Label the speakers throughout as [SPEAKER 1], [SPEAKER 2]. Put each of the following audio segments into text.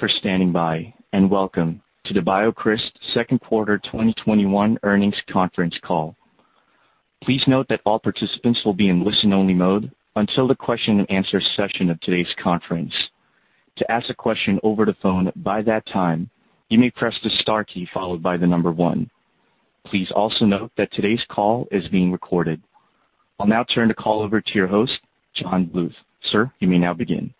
[SPEAKER 1] For standing by and welcome to the BioCryst second quarter 2021 earnings conference call. Please also note that today's call is being recorded. I'll now turn the call over to your host, John Bluth. Sir, you may now begin.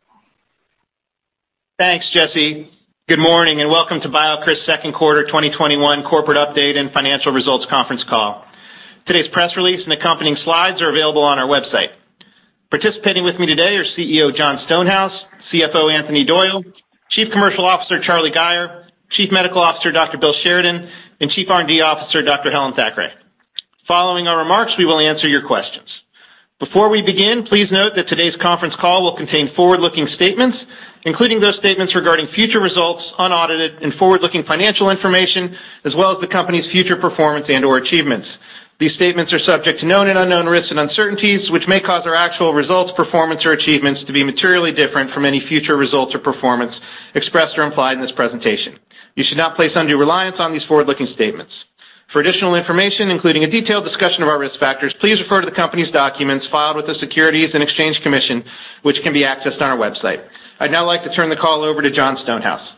[SPEAKER 2] Thanks, Jesse. Good morning. Welcome to BioCryst second quarter 2021 corporate update and financial results conference call. Today's press release and accompanying slides are available on our website. Participating with me today are CEO, Jon Stonehouse, CFO, Anthony Doyle, Chief Commercial Officer, Charlie Gayer, Chief Medical Officer, Dr. Bill Sheridan, and Chief R&D Officer, Dr. Helen Thackray. Following our remarks, we will answer your questions. Before we begin, please note that today's conference call will contain forward-looking statements, including those statements regarding future results, unaudited and forward-looking financial information, as well as the company's future performance and/or achievements. These statements are subject to known and unknown risks and uncertainties, which may cause our actual results, performance, or achievements to be materially different from any future results or performance expressed or implied in this presentation. You should not place undue reliance on these forward-looking statements. For additional information, including a detailed discussion of our risk factors, please refer to the company's documents filed with the Securities and Exchange Commission, which can be accessed on our website. I'd now like to turn the call over to Jon Stonehouse.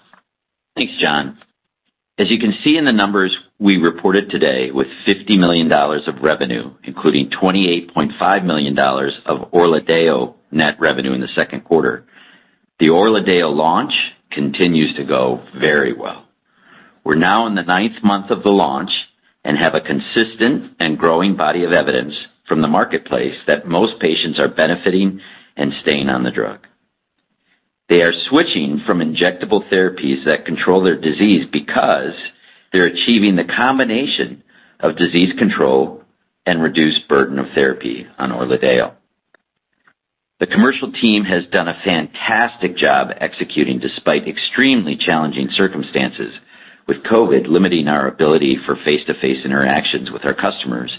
[SPEAKER 3] Thanks, John. As you can see in the numbers we reported today with $50 million of revenue, including $28.5 million of ORLADEYO net revenue in the second quarter, the ORLADEYO launch continues to go very well. We're now in the ninth month of the launch and have a consistent and growing body of evidence from the marketplace that most patients are benefiting and staying on the drug. They're switching from injectable therapies that control their disease because they're achieving the combination of disease control and reduced burden of therapy on ORLADEYO. The commercial team has done a fantastic job executing despite extremely challenging circumstances, with COVID limiting our ability for face-to-face interactions with our customers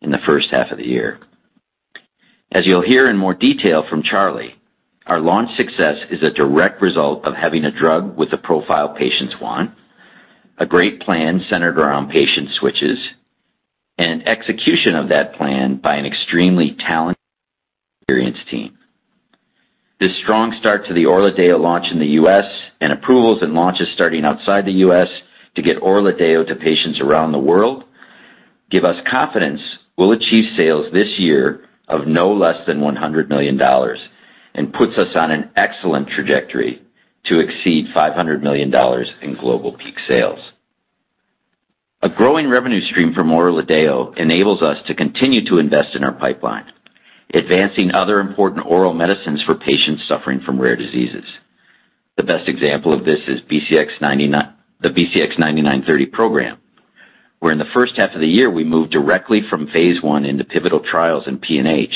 [SPEAKER 3] in the first half of the year. As you'll hear in more detail from Charlie, our launch success is a direct result of having a drug with a profile patients want, a great plan centered around patient switches, and execution of that plan by an extremely talented and experienced team. This strong start to the ORLADEYO launch in the U.S. and approvals and launches starting outside the U.S. to get ORLADEYO to patients around the world, give us confidence we'll achieve sales this year of no less than $100 million and puts us on an excellent trajectory to exceed $500 million in global peak sales. A growing revenue stream from ORLADEYO enables us to continue to invest in our pipeline, advancing other important oral medicines for patients suffering from rare diseases. The best example of this is the BCX9930 program, where in the first half of the year, we moved directly from phase I into pivotal trials in PNH,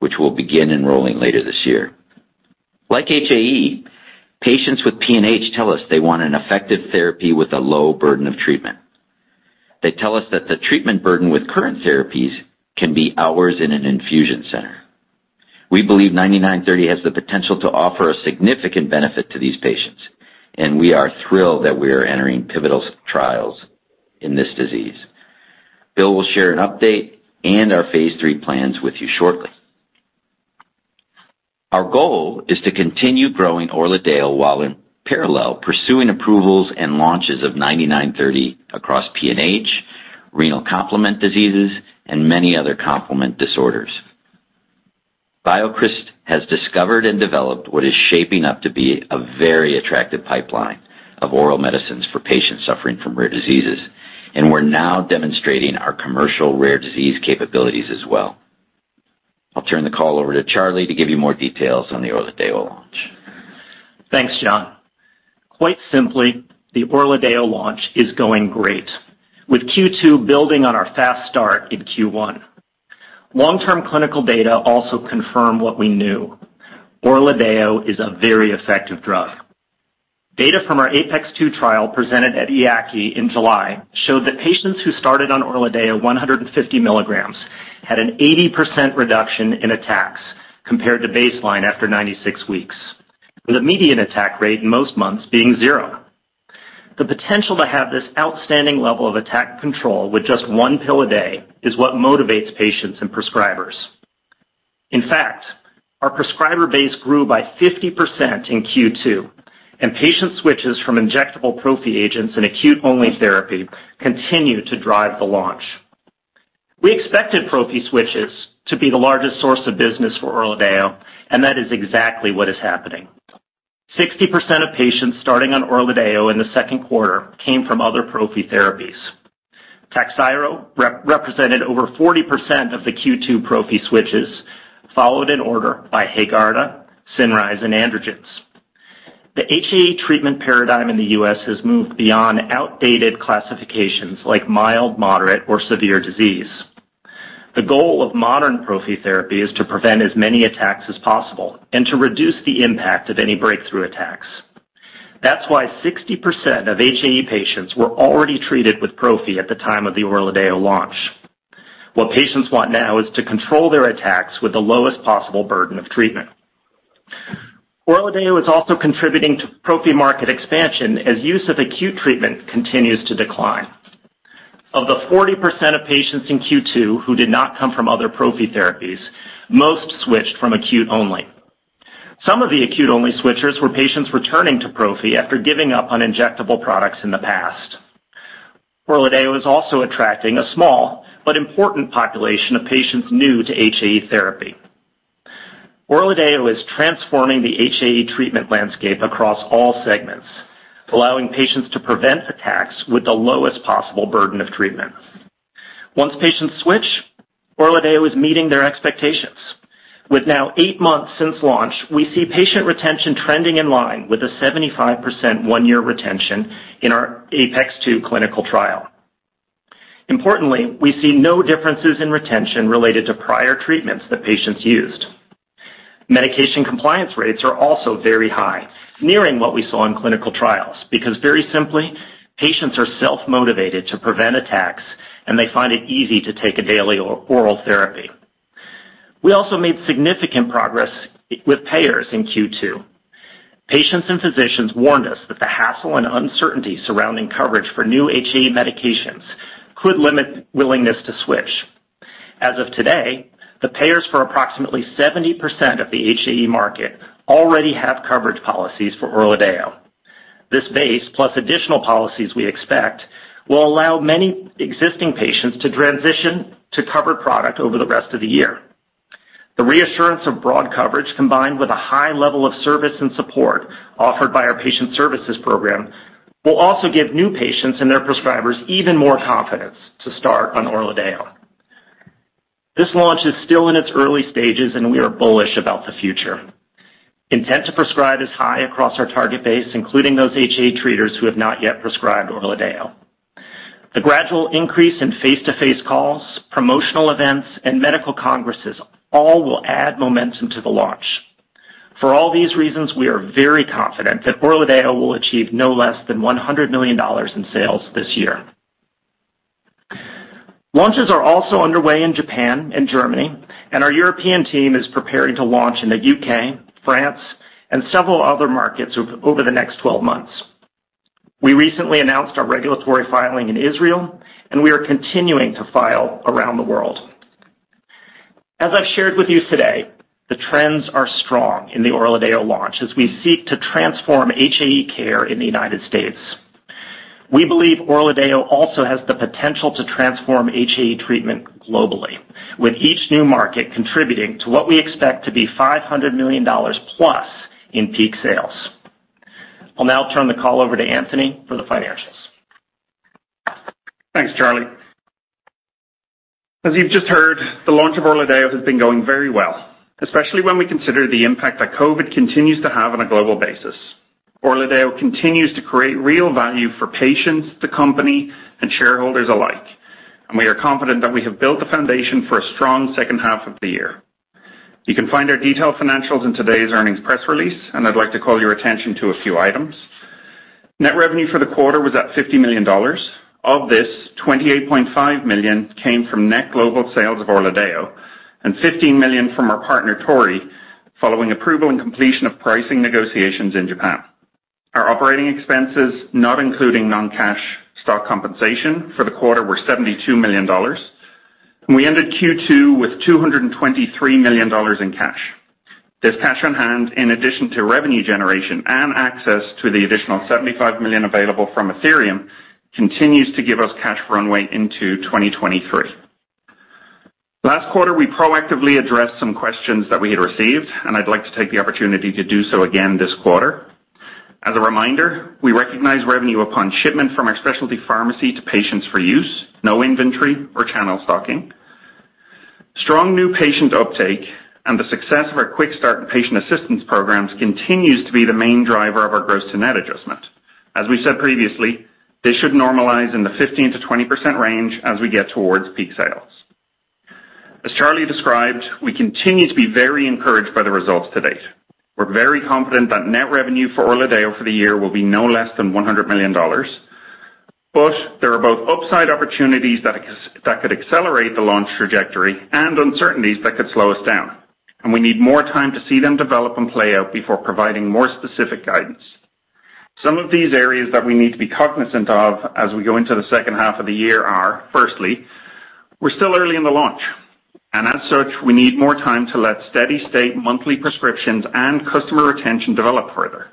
[SPEAKER 3] which will begin enrolling later this year. Like HAE, patients with PNH tell us they want an effective therapy with a low burden of treatment. They tell us that the treatment burden with current therapies can be hours in an infusion center. We believe BCX9930 has the potential to offer a significant benefit to these patients, and we are thrilled that we are entering pivotal trials in this disease. Bill will share an update and our phase III plans with you shortly. Our goal is to continue growing ORLADEYO while in parallel, pursuing approvals and launches of BCX9930 across PNH, renal complement diseases, and many other complement disorders. BioCryst has discovered and developed what is shaping up to be a very attractive pipeline of oral medicines for patients suffering from rare diseases, and we're now demonstrating our commercial rare disease capabilities as well. I'll turn the call over to Charlie to give you more details on the ORLADEYO launch.
[SPEAKER 4] Thanks, Jon. Quite simply, the ORLADEYO launch is going great. With Q2 building on our fast start in Q1. Long-term clinical data also confirm what we knew. ORLADEYO is a very effective drug. Data from our APeX-2 trial presented at EAACI in July showed that patients who started on ORLADEYO 150 mg had an 80% reduction in attacks compared to baseline after 96 weeks, with a median attack rate most months being zero. The potential to have this outstanding level of attack control with just one pill a day is what motivates patients and prescribers. In fact, our prescriber base grew by 50% in Q2, and patient switches from injectable prophy agents and acute-only therapy continue to drive the launch. We expected prophy switches to be the largest source of business for ORLADEYO, and that is exactly what is happening. 60% of patients starting on ORLADEYO in the second quarter came from other prophy therapies. TAKHZYRO represented over 40% of the Q2 prophy switches, followed in order by HAEGARDA, CINRYZE, and androgens. The HAE treatment paradigm in the U.S. has moved beyond outdated classifications like mild, moderate or severe disease. The goal of modern prophy therapy is to prevent as many attacks as possible and to reduce the impact of any breakthrough attacks. That's why 60% of HAE patients were already treated with prophy at the time of the ORLADEYO launch. What patients want now is to control their attacks with the lowest possible burden of treatment. ORLADEYO is also contributing to prophy market expansion as use of acute treatment continues to decline. Of the 40% of patients in Q2 who did not come from other prophy therapies, most switched from acute-only. Some of the acute-only switchers were patients returning to prophy after giving up on injectable products in the past. ORLADEYO is also attracting a small but important population of patients new to HAE therapy. ORLADEYO is transforming the HAE treatment landscape across all segments, allowing patients to prevent attacks with the lowest possible burden of treatment. Once patients switch, ORLADEYO is meeting their expectations. With now eight months since launch, we see patient retention trending in line with a 75% one-year retention in our APeX-2 clinical trial. Importantly, we see no differences in retention related to prior treatments that patients used. Medication compliance rates are also very high, nearing what we saw in clinical trials, because very simply, patients are self-motivated to prevent attacks, and they find it easy to take a daily oral therapy. We also made significant progress with payers in Q2. Patients and physicians warned us that the hassle and uncertainty surrounding coverage for new HAE medications could limit willingness to switch. As of today, the payers for approximately 70% of the HAE market already have coverage policies for ORLADEYO. This base, plus additional policies we expect, will allow many existing patients to transition to cover product over the rest of the year. The reassurance of broad coverage, combined with a high level of service and support offered by our patient services program, will also give new patients and their prescribers even more confidence to start on ORLADEYO. This launch is still in its early stages, and we are bullish about the future. Intent to prescribe is high across our target base, including those HAE treaters who have not yet prescribed ORLADEYO. The gradual increase in face-to-face calls, promotional events, and medical congresses all will add momentum to the launch. For all these reasons, we are very confident that ORLADEYO will achieve no less than $100 million in sales this year. Launches are also underway in Japan and Germany, and our European team is preparing to launch in the U.K., France, and several other markets over the next 12 months. We recently announced our regulatory filing in Israel. We are continuing to file around the world. As I've shared with you today, the trends are strong in the ORLADEYO launch as we seek to transform HAE care in the U.S. We believe ORLADEYO also has the potential to transform HAE treatment globally, with each new market contributing to what we expect to be $500 million+ in peak sales. I'll now turn the call over to Anthony for the financials.
[SPEAKER 5] Thanks, Charlie. As you've just heard, the launch of ORLADEYO has been going very well, especially when we consider the impact that COVID continues to have on a global basis. ORLADEYO continues to create real value for patients, the company, and shareholders alike. We are confident that we have built the foundation for a strong second half of the year. You can find our detailed financials in today's earnings press release, and I'd like to call your attention to a few items. Net revenue for the quarter was at $50 million. Of this, $28.5 million came from net global sales of ORLADEYO and $15 million from our partner, Torii, following approval and completion of pricing negotiations in Japan. Our operating expenses, not including non-cash stock compensation for the quarter, were $72 million. We ended Q2 with $223 million in cash. This cash on hand, in addition to revenue generation and access to the additional $75 million available from Athyrium, continues to give us cash runway into 2023. Last quarter, we proactively addressed some questions that we had received. I'd like to take the opportunity to do so again this quarter. As a reminder, we recognize revenue upon shipment from our specialty pharmacy to patients for use. No inventory or channel stocking. Strong new patient uptake and the success of our Quick Start and patient assistance programs continues to be the main driver of our gross-to-net adjustment. As we said previously, this should normalize in the 15%-20% range as we get towards peak sales. As Charlie described, we continue to be very encouraged by the results to date. We're very confident that net revenue for ORLADEYO for the year will be no less than $100 million. There are both upside opportunities that could accelerate the launch trajectory and uncertainties that could slow us down, and we need more time to see them develop and play out before providing more specific guidance. Some of these areas that we need to be cognizant of as we go into the second half of the year are, firstly, we're still early in the launch, and as such, we need more time to let steady state monthly prescriptions and customer retention develop further.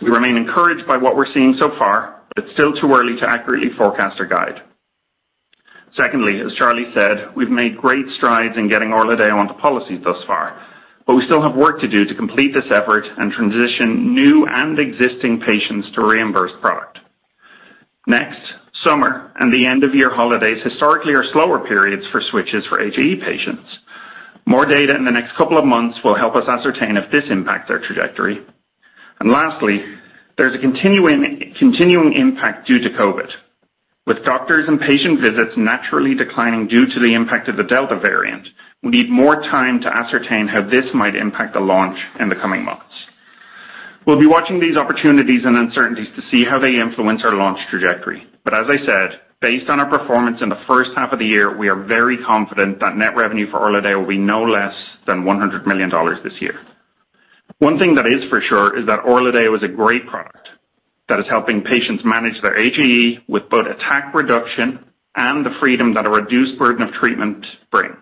[SPEAKER 5] We remain encouraged by what we're seeing so far, but it's still too early to accurately forecast or guide. Secondly, as Charlie said, we've made great strides in getting ORLADEYO onto policies thus far, but we still have work to do to complete this effort and transition new and existing patients to reimbursed product. Summer and the end-of-year holidays historically are slower periods for switches for HAE patients. More data in the next couple of months will help us ascertain if this impacts our trajectory. Lastly, there's a continuing impact due to COVID. With doctors and patient visits naturally declining due to the impact of the Delta variant, we need more time to ascertain how this might impact the launch in the coming months. We'll be watching these opportunities and uncertainties to see how they influence our launch trajectory. As I said, based on our performance in the first half of the year, we are very confident that net revenue for ORLADEYO will be no less than $100 million this year. One thing that is for sure is that ORLADEYO is a great product that is helping patients manage their HAE with both attack reduction and the freedom that a reduced burden of treatment brings.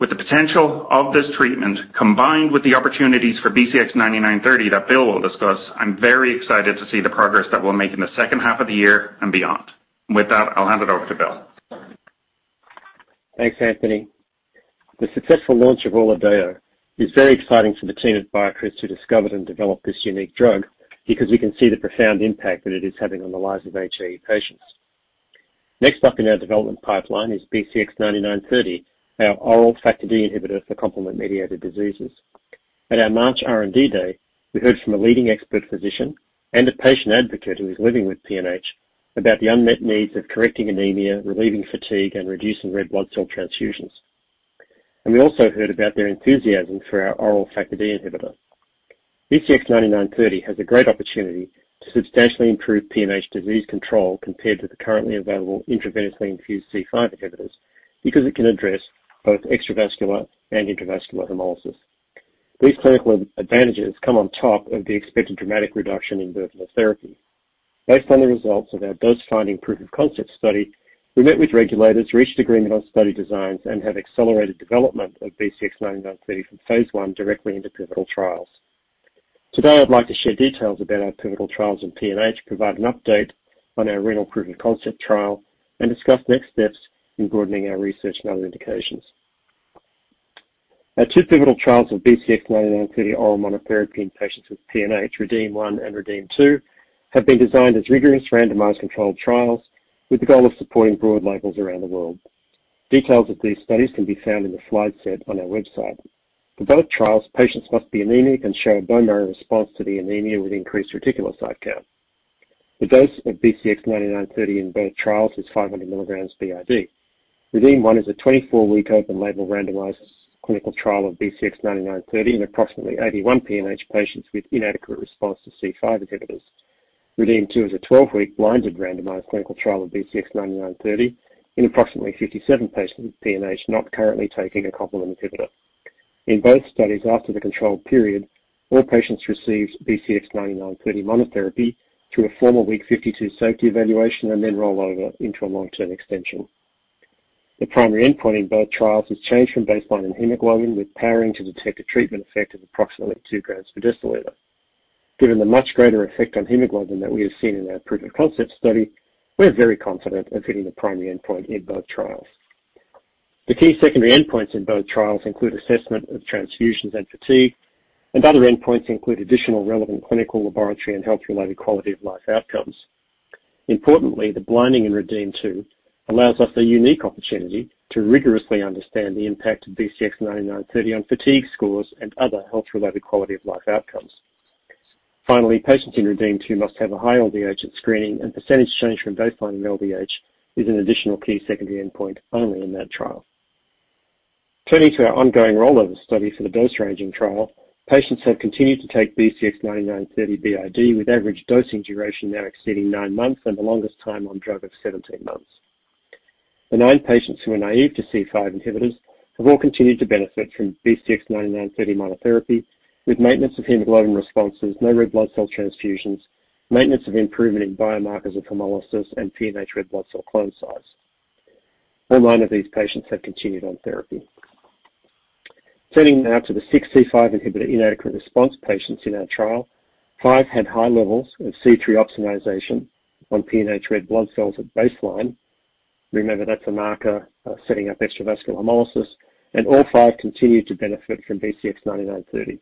[SPEAKER 5] With the potential of this treatment, combined with the opportunities for BCX9930 that Bill will discuss, I'm very excited to see the progress that we'll make in the second half of the year and beyond. With that, I'll hand it over to Bill.
[SPEAKER 6] Thanks, Anthony. The successful launch of ORLADEYO is very exciting for the team at BioCryst who discovered and developed this unique drug, because we can see the profound impact that it is having on the lives of HAE patients. Next up in our development pipeline is BCX9930, our oral Factor D inhibitor for complement-mediated diseases. At our March R&D Day, we heard from a leading expert physician and a patient advocate who is living with PNH about the unmet needs of correcting anemia, relieving fatigue, and reducing red blood cell transfusions. We also heard about their enthusiasm for our oral Factor D inhibitor. BCX9930 has a great opportunity to substantially improve PNH disease control compared to the currently available intravenously infused C5 inhibitors, because it can address both extravascular and intravascular hemolysis. These clinical advantages come on top of the expected dramatic reduction in burden of therapy. Based on the results of our dose-finding proof-of-concept study, we met with regulators, reached agreement on study designs, and have accelerated development of BCX9930 from phase I directly into pivotal trials. Today, I'd like to share details about our pivotal trials in PNH, provide an update on our renal proof-of-concept trial, and discuss next steps in broadening our research in other indications. Our two pivotal trials of BCX9930 oral monotherapy in patients with PNH, REDEEM-1 and REDEEM-2, have been designed as rigorous randomized controlled trials with the goal of supporting broad labels around the world. Details of these studies can be found in the slide set on our website. For both trials, patients must be anemic and show a bone marrow response to the anemia with increased reticulocyte count. The dose of BCX9930 in both trials is 500 mg BID. REDEEM-1 is a 24-week open label randomized clinical trial of BCX9930 in approximately 81 PNH patients with inadequate response to C5 inhibitors. REDEEM-2 is a 12-week blinded randomized clinical trial of BCX9930 in approximately 57 patients with PNH not currently taking a complement inhibitor. In both studies, after the control period, all patients received BCX9930 monotherapy through a formal week 52 safety evaluation, and then rollover into a long-term extension. The primary endpoint in both trials is change from baseline in hemoglobin, with powering to detect a treatment effect of approximately 2 g/dL. Given the much greater effect on hemoglobin that we have seen in our proof-of-concept study, we are very confident of hitting the primary endpoint in both trials. The key secondary endpoints in both trials include assessment of transfusions and fatigue. Other endpoints include additional relevant clinical, laboratory, and health-related quality of life outcomes. Importantly, the blinding in REDEEM-2 allows us the unique opportunity to rigorously understand the impact of BCX9930 on fatigue scores and other health-related quality of life outcomes. Finally, patients in REDEEM-2 must have a high LDH at screening, and percentage change from baseline LDH is an additional key secondary endpoint only in that trial. Turning to our ongoing rollover study for the dose ranging trial, patients have continued to take BCX9930 BID, with average dosing duration now exceeding nine months and the longest time on drug of 17 months. The nine patients who are naive to C5 inhibitors have all continued to benefit from BCX9930 monotherapy, with maintenance of hemoglobin responses, no red blood cell transfusions, maintenance of improvement in biomarkers of hemolysis, and PNH red blood cell clone size. All nine of these patients have continued on therapy. Turning now to the six C5 inhibitor inadequate response patients in our trial, five had high levels of C3 opsonization on PNH red blood cells at baseline. Remember, that's a marker of setting up extravascular hemolysis, and all five continue to benefit from BCX9930.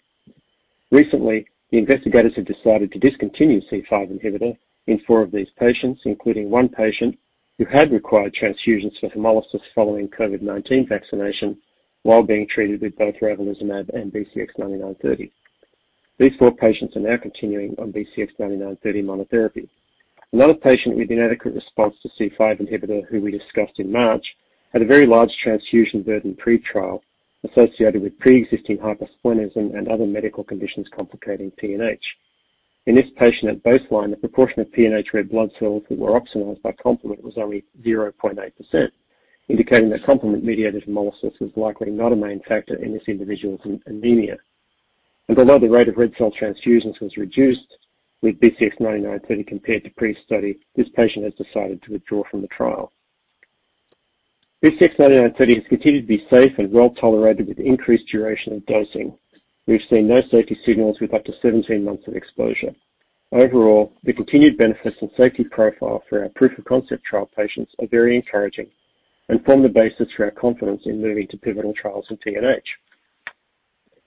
[SPEAKER 6] Recently, the investigators have decided to discontinue C5 inhibitor in four of these patients, including one patient who had required transfusions for hemolysis following COVID-19 vaccination while being treated with both ravulizumab and BCX9930. These four patients are now continuing on BCX9930 monotherapy. Another patient with inadequate response to C5 inhibitor, who we discussed in March, had a very large transfusion burden pre-trial associated with pre-existing hypersplenism and other medical conditions complicating PNH. In this patient, at baseline, the proportion of PNH red blood cells that were opsonized by complement was only 0.8%, indicating that complement-mediated hemolysis was likely not a main factor in this individual's anemia. Although the rate of red cell transfusions was reduced with BCX9930 compared to pre-study, this patient has decided to withdraw from the trial. BCX9930 has continued to be safe and well-tolerated with increased duration of dosing. We've seen no safety signals with up to 17 months of exposure. Overall, the continued benefits and safety profile for our proof-of-concept trial patients are very encouraging and form the basis for our confidence in moving to pivotal trials in PNH.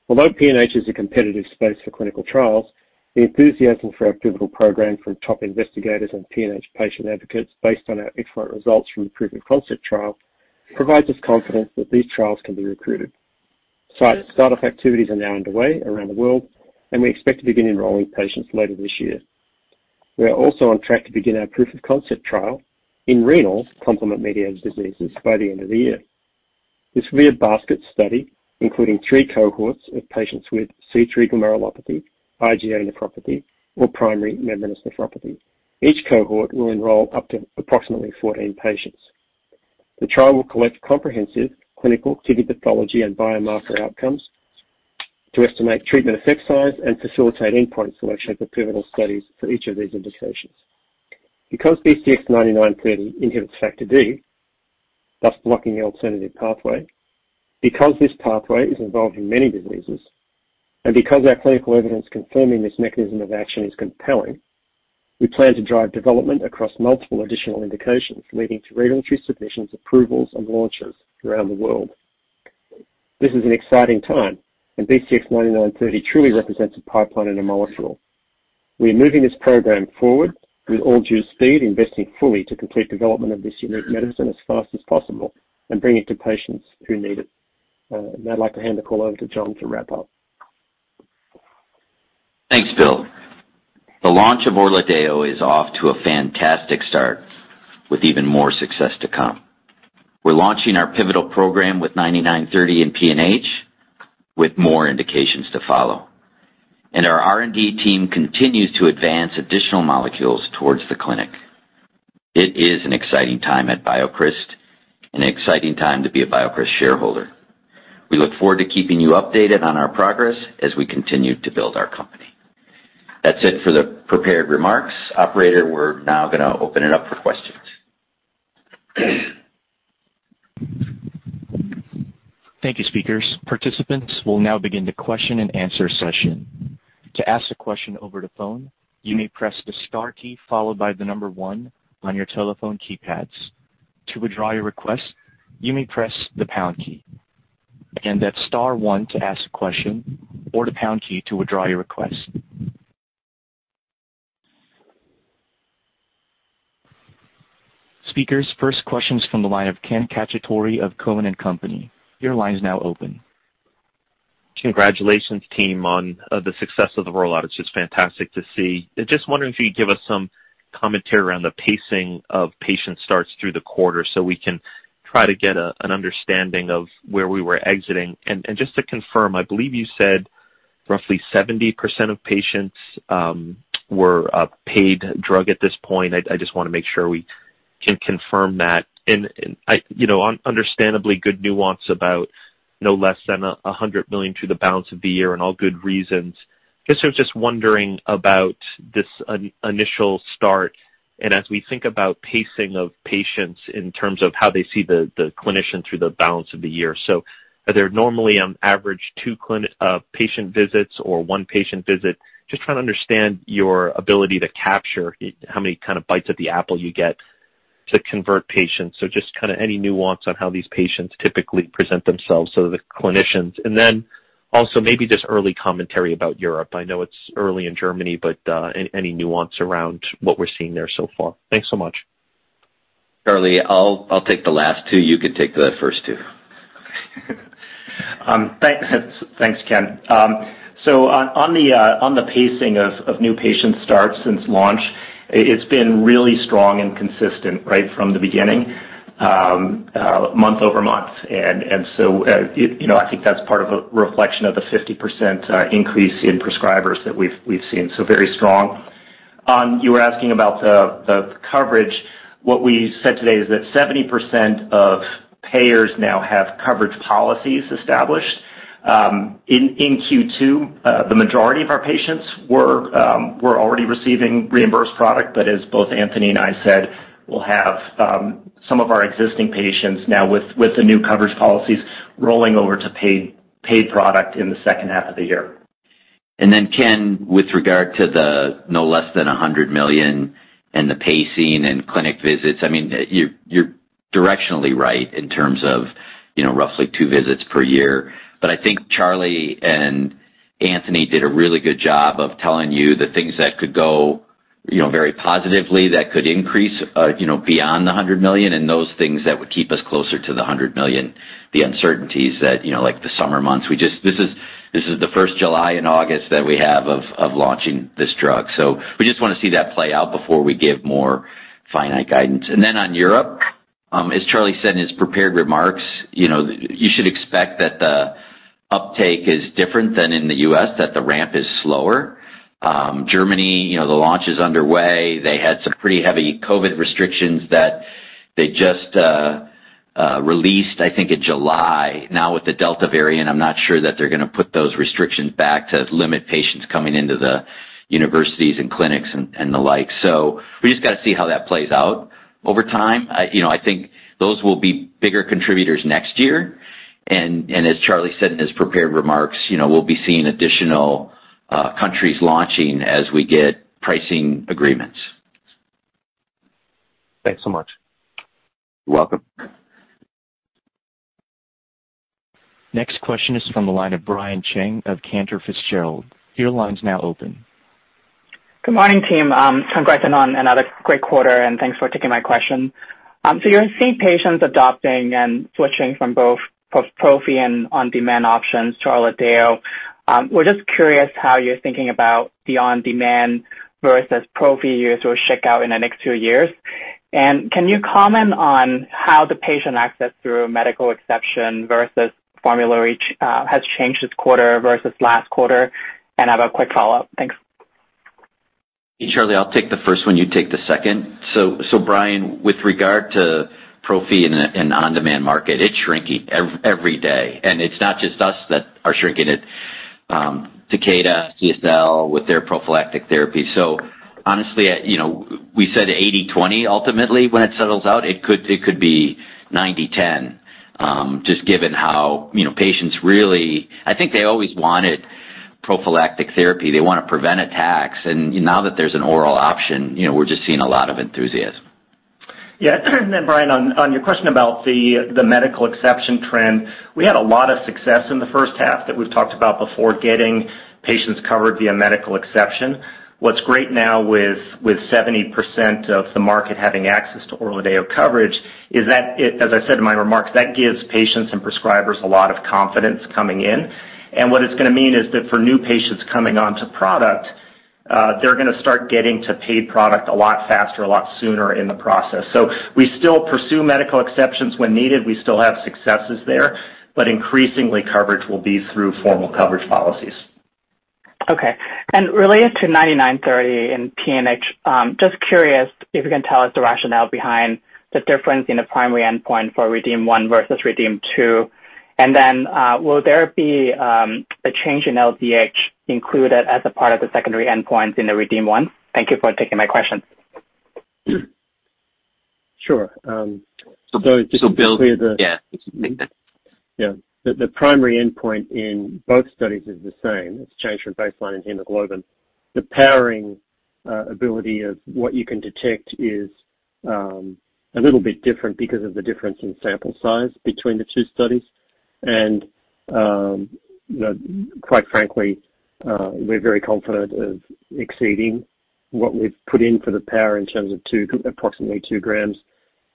[SPEAKER 6] Although PNH is a competitive space for clinical trials, the enthusiasm for our pivotal program from top investigators and PNH patient advocates based on our excellent results from the proof-of-concept trial provides us confidence that these trials can be recruited. Site start-up activities are now underway around the world, and we expect to begin enrolling patients later this year. We are also on track to begin our proof-of-concept trial in renal complement-mediated diseases by the end of the year. This real basket study, including three cohorts of patients with C3 glomerulopathy, IgA nephropathy, or primary membranous nephropathy. Each cohort will enroll up to approximately 14 patients. The trial will collect comprehensive clinical tissue pathology and biomarker outcomes to estimate treatment effect size and facilitate endpoint selection for pivotal studies for each of these indications. Because BCX9930 inhibits Factor D, thus blocking the alternative pathway, because this pathway is involved in many diseases, and because our clinical evidence confirming this mechanism of action is compelling, we plan to drive development across multiple additional indications, leading to regulatory submissions, approvals, and launches around the world. This is an exciting time, and BCX9930 truly represents a pipeline in a molecule. We are moving this program forward with all due speed, investing fully to complete development of this unique medicine as fast as possible and bring it to patients who need it. Now I'd like to hand the call over to Jon to wrap up.
[SPEAKER 3] Thanks, Bill. The launch of ORLADEYO is off to a fantastic start, with even more success to come. We're launching our pivotal program with BCX9930 in PNH, with more indications to follow. Our R&D team continues to advance additional molecules towards the clinic. It is an exciting time at BioCryst, an exciting time to be a BioCryst shareholder. We look forward to keeping you updated on our progress as we continue to build our company. That's it for the prepared remarks. Operator, we're now going to open it up for questions.
[SPEAKER 1] Thank you, speakers. Participants, we'll now begin the question and answer session. Speakers, first question's from the line of Ken Cacciatore of Cowen and Company. Your line is now open.
[SPEAKER 7] Congratulations, team, on the success of the rollout. It's just fantastic to see. Just wondering if you'd give us some commentary around the pacing of patient starts through the quarter so we can try to get an understanding of where we were exiting. Just to confirm, I believe you said roughly 70% of patients were paid drug at this point. I just want to make sure we can confirm that. Understandably good nuance about no less than $100 million through the balance of the year and all good reasons. Guess I was just wondering about this initial start, and as we think about pacing of patients in terms of how they see the clinician through the balance of the year. Are there normally on average two patient visits or one patient visit? Just trying to understand your ability to capture how many kind of bites at the apple you get to convert patients. Just any nuance on how these patients typically present themselves to the clinicians. Also maybe just early commentary about Europe. I know it's early in Germany, but any nuance around what we're seeing there so far. Thanks so much.
[SPEAKER 3] Charlie, I'll take the last two. You can take the first two.
[SPEAKER 4] Thanks, Ken. On the pacing of new patient starts since launch, it's been really strong and consistent right from the beginning, month-over-month. I think that's part of a reflection of the 50% increase in prescribers that we've seen. Very strong. You were asking about the coverage. What we said today is that 70% of payers now have coverage policies established. In Q2, the majority of our patients were already receiving reimbursed product, but as both Anthony and I said, we'll have some of our existing patients now with the new coverage policies rolling over to paid product in the second half of the year.
[SPEAKER 3] Ken, with regard to the no less than $100 million and the pacing and clinic visits, you're directionally right in terms of roughly two visits per year. I think Charlie and Anthony did a really good job of telling you the things that could go very positively that could increase beyond the $100 million and those things that would keep us closer to the $100 million, the uncertainties like the summer months. This is the first July and August that we have of launching this drug. We just want to see that play out before we give more finite guidance. On Europe, as Charlie said in his prepared remarks, you should expect that the uptake is different than in the U.S., that the ramp is slower. Germany, the launch is underway. They had some pretty heavy COVID restrictions that they just released, I think in July. Now with the Delta variant, I'm not sure that they're going to put those restrictions back to limit patients coming into the universities and clinics and the like. We just got to see how that plays out over time. I think those will be bigger contributors next year. As Charlie said in his prepared remarks, we'll be seeing additional countries launching as we get pricing agreements.
[SPEAKER 7] Thanks so much.
[SPEAKER 3] You're welcome.
[SPEAKER 1] Next question is from the line of Brian Cheng of Cantor Fitzgerald.
[SPEAKER 8] Good morning, team. Congratulations on another great quarter, and thanks for taking my question. You're seeing patients adopting and switching from both prophy and on-demand options to ORLADEYO. We're just curious how you're thinking about the on-demand versus prophy use will shake out in the next two years. Can you comment on how the patient access through medical exception versus formulary has changed this quarter versus last quarter? I have a quick follow-up. Thanks.
[SPEAKER 3] Charlie, I'll take the first one, you take the second. Brian, with regard to prophy in on-demand market, it's shrinking every day, and it's not just us that are shrinking it. Takeda, CSL with their prophylactic therapy. Honestly, we said 80/20 ultimately, when it settles out, it could be 90/10. Just given how patients really I think they always wanted prophylactic therapy. They want to prevent attacks, and now that there's an oral option, we're just seeing a lot of enthusiasm.
[SPEAKER 4] Yeah. Then Brian, on your question about the medical exception trend, we had a lot of success in the first half that we've talked about before, getting patients covered via medical exception. What's great now with 70% of the market having access to ORLADEYO coverage is that it, as I said in my remarks, that gives patients and prescribers a lot of confidence coming in. What it's going to mean is that for new patients coming onto product, they're going to start getting to paid product a lot faster, a lot sooner in the process. We still pursue medical exceptions when needed. We still have successes there, increasingly coverage will be through formal coverage policies.
[SPEAKER 8] Okay. Related to BCX9930 in PNH, just curious if you can tell us the rationale behind the difference in the primary endpoint for REDEEM-1 versus REDEEM-2. Will there be a change in LDH included as a part of the secondary endpoints in the REDEEM-1? Thank you for taking my questions.
[SPEAKER 6] Sure.
[SPEAKER 3] So Bill-
[SPEAKER 6] Just to be clear.
[SPEAKER 3] Yeah.
[SPEAKER 6] The primary endpoint in both studies is the same. It's change from baseline in hemoglobin. The powering ability of what you can detect is a little bit different because of the difference in sample size between the two studies. Quite frankly, we're very confident of exceeding what we've put in for the power in terms of approximately 2 g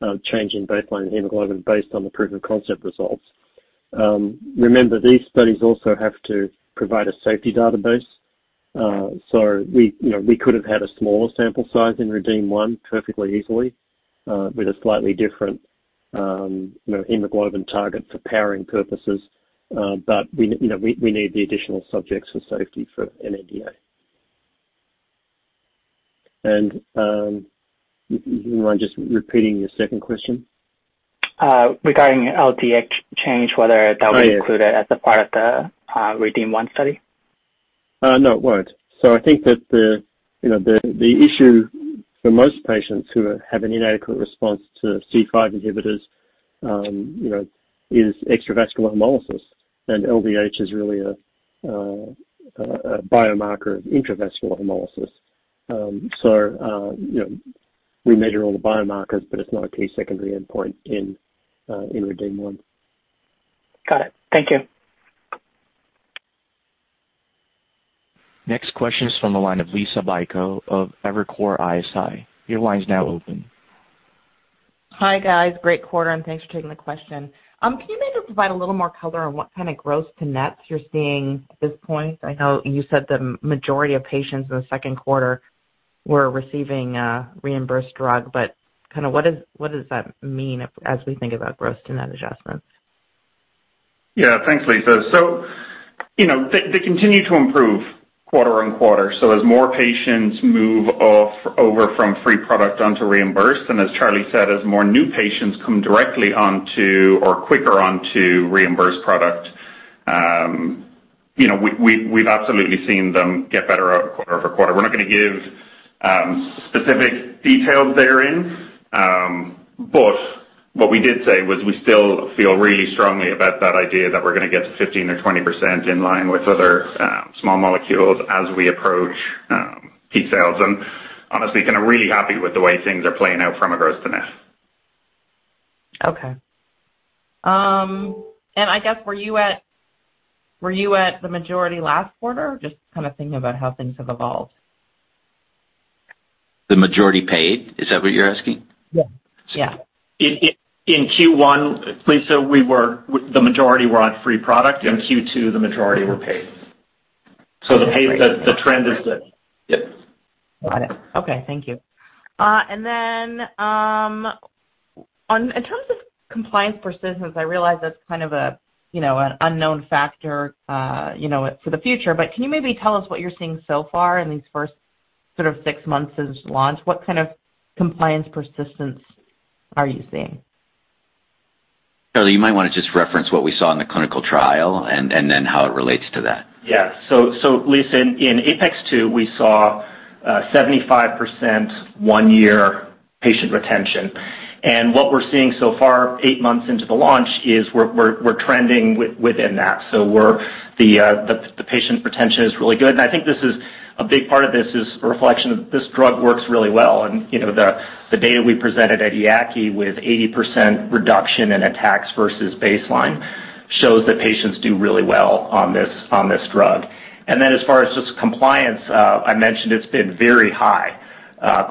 [SPEAKER 6] of change in baseline hemoglobin based on the proof-of-concept results. Remember, these studies also have to provide a safety database. We could have had a smaller sample size in REDEEM-1 perfectly easily, with a slightly different hemoglobin target for powering purposes. We need the additional subjects for safety for an NDA. Do you mind just repeating your second question?
[SPEAKER 8] Regarding LDH change, whether that will include it as a part of the REDEEM-1 study.
[SPEAKER 6] No, it won't. I think that the issue for most patients who have an inadequate response to C5 inhibitors is extravascular hemolysis. LDH is really a biomarker of intravascular hemolysis. We measure all the biomarkers, but it's not a key secondary endpoint in REDEEM-1.
[SPEAKER 8] Got it. Thank you.
[SPEAKER 1] Next question is from the line of Liisa Bayko of Evercore ISI. Your line is now open.
[SPEAKER 9] Hi, guys. Great quarter, and thanks for taking the question. Can you maybe just provide a little more color on what kind of gross-to-nets you're seeing at this point? I know you said the majority of patients in the second quarter were receiving a reimbursed drug, but what does that mean as we think about gross-to-net adjustments?
[SPEAKER 5] Yeah. Thanks, Liisa. They continue to improve quarter-on-quarter. As more patients move off over from free product onto reimbursed, and as Charlie said, as more new patients come directly onto or quicker onto reimbursed product, we've absolutely seen them get better quarter-over-quarter. We're not going to give specific details therein. What we did say was we still feel really strongly about that idea that we're going to get to 15% or 20% in line with other small molecules as we approach peak sales and honestly, really happy with the way things are playing out from a gross-to-net.
[SPEAKER 9] Okay. I guess, were you at the majority last quarter? Just thinking about how things have evolved.
[SPEAKER 3] The majority paid? Is that what you're asking?
[SPEAKER 9] Yeah.
[SPEAKER 4] In Q1, Liisa, the majority were on free product. In Q2, the majority were paid. The trend is that, yep.
[SPEAKER 9] Got it. Okay. Thank you. In terms of compliance persistence, I realize that's an unknown factor for the future, but can you maybe tell us what you're seeing so far in these first six months since launch? What kind of compliance persistence are you seeing?
[SPEAKER 3] Charlie, you might want to just reference what we saw in the clinical trial, and then how it relates to that.
[SPEAKER 4] Liisa, in APeX-2, we saw 75% one-year patient retention. What we're seeing so far, eight months into the launch, is we're trending within that. The patient retention is really good, and I think a big part of this is a reflection that this drug works really well. The data we presented at EAACI with 80% reduction in attacks versus baseline shows that patients do really well on this drug. As far as just compliance, I mentioned it's been very high,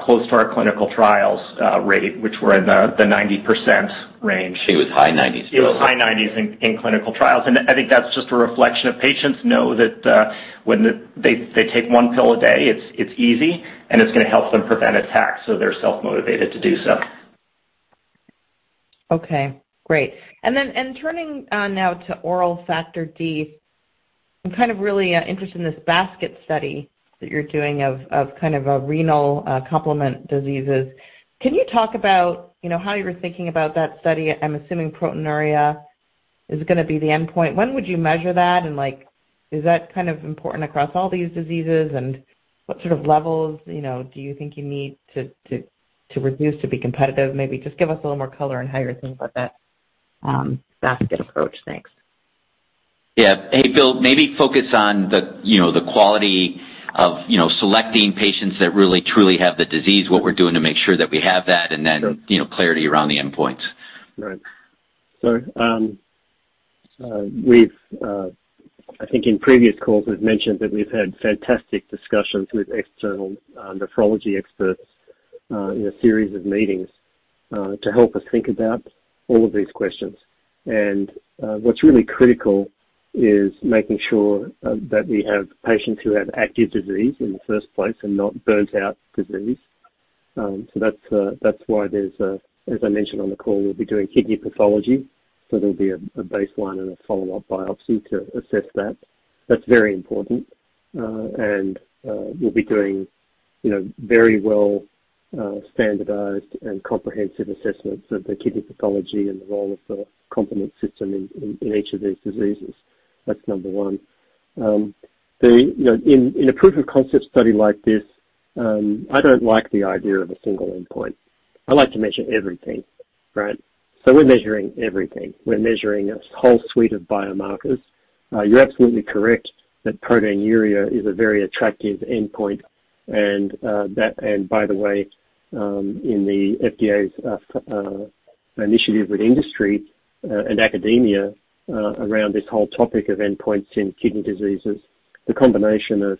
[SPEAKER 4] close to our clinical trials rate, which were in the 90% range.
[SPEAKER 3] It was high 90s.
[SPEAKER 4] It was high 90s in clinical trials. I think that's just a reflection of patients know that when they take one pill a day, it's easy and it's going to help them prevent attacks, so they're self-motivated to do so.
[SPEAKER 9] Okay, great. Turning now to oral Factor D, I'm kind of really interested in this basket study that you're doing of kind of a renal complement diseases. Can you talk about how you were thinking about that study? I'm assuming proteinuria is going to be the endpoint. When would you measure that and is that kind of important across all these diseases? What sort of levels do you think you need to reduce to be competitive? Maybe just give us a little more color on how you're thinking about that basket approach. Thanks.
[SPEAKER 3] Yeah. Hey, Bill, maybe focus on the quality of selecting patients that really truly have the disease, what we're doing to make sure that we have that.
[SPEAKER 6] Sure.
[SPEAKER 3] Clarity around the endpoints.
[SPEAKER 6] Right. I think in previous calls, we've mentioned that we've had fantastic discussions with external nephrology experts in a series of meetings to help us think about all of these questions. What's really critical is making sure that we have patients who have active disease in the first place and not burnt-out disease. That's why there's a, as I mentioned on the call, we'll be doing kidney pathology, there'll be a baseline and a follow-up biopsy to assess that. That's very important. We'll be doing very well standardized and comprehensive assessments of the kidney pathology and the role of the complement system in each of these diseases. That's number one. In a proof-of-concept study like this, I don't like the idea of a single endpoint. I like to measure everything, right? We're measuring everything. We're measuring a whole suite of biomarkers. You're absolutely correct that proteinuria is a very attractive endpoint, and by the way, in the FDA's initiative with industry and academia around this whole topic of endpoints in kidney diseases, the combination of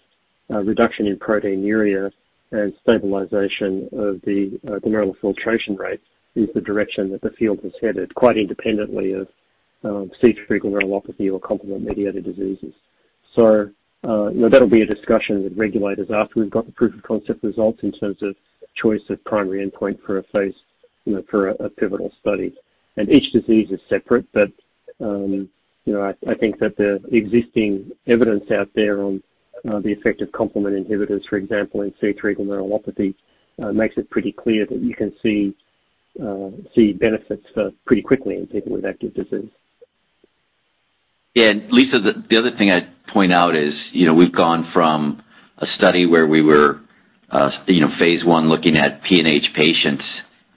[SPEAKER 6] a reduction in proteinuria and stabilization of the glomerular filtration rate is the direction that the field has headed, quite independently of C3 glomerulopathy or complement mediated diseases. That'll be a discussion with regulators after we've got the proof-of-concept results in terms of choice of primary endpoint for a pivotal study. Each disease is separate, but I think that the existing evidence out there on the effect of complement inhibitors, for example, in C3 glomerulopathy makes it pretty clear that you can see benefits pretty quickly in people with active disease.
[SPEAKER 3] Liisa, the other thing I'd point out is, we've gone from a study where we were phase I looking at PNH patients